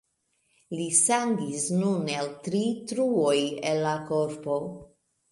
Li sangis nun el tri truoj el la korpo.